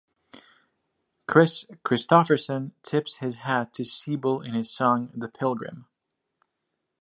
Kris Kristofferson tips his hat to Siebel in his song "The Pilgrim".